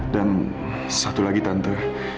dan satu lagi tante